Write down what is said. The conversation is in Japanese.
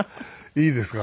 いいですか？